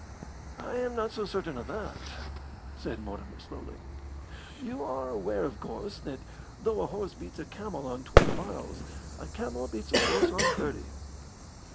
"I am not so certain of that," said Mortimer, slowly. "You are aware, of course, that though a horse beats a camel on twenty miles, a camel beats a horse on thirty."